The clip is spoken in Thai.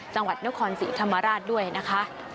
จังหวัดนครศรีธรรมราชด้วยนะคะ